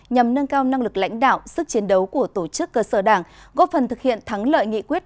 nhằm nâng cao năng lực lãnh đạo sức chiến đấu của tổ chức cơ sở đảng góp phần thực hiện thắng lợi nghị quyết